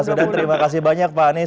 oke pak anies terima kasih banyak pak anies